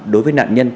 đối với nạn nhân